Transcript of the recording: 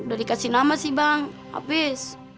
udah dikasih nama sih bang habis